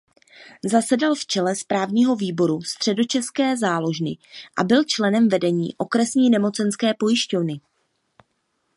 Zasedal v čele správního výboru "Středočeské záložny" a byl členem vedení "Okresní nemocenské pojišťovny".